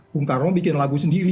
bung karno bikin lagu sendiri